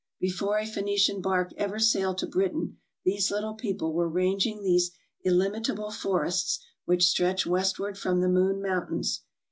Be fore a Phoenician bark ever sailed to Britain these little people were ranging these illimitable forests which stretch westward from the Moon Mountains.